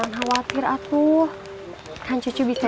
bapak mau cuci muka dulu